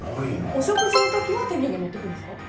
お食事の時は手土産を持っていくんですか？